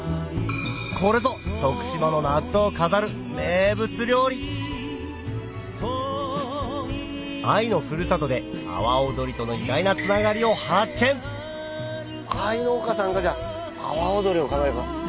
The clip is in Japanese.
これぞ徳島の夏を飾る名物料理藍のふるさとで阿波おどりとの意外なつながりを発見藍農家さんがじゃあ阿波おどりを考えた。